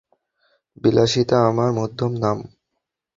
বিলাসিতা আমার মধ্যম নাম।